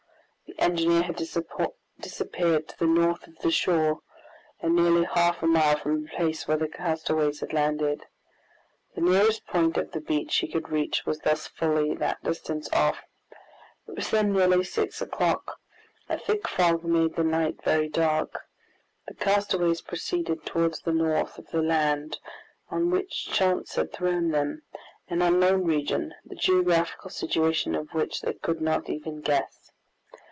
The engineer had disappeared to the north of the shore, and nearly half a mile from the place where the castaways had landed. The nearest point of the beach he could reach was thus fully that distance off. It was then nearly six o'clock. A thick fog made the night very dark. The castaways proceeded toward the north of the land on which chance had thrown them, an unknown region, the geographical situation of which they could not even guess.